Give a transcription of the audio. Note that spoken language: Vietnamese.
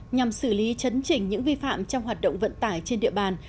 nhằm xử lý chấn chỉnh những vi phạm trong hoạt động vận tải trên địa bàn